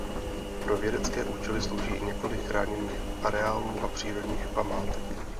Pro vědecké účely slouží i několik chráněných areálů a přírodních památek.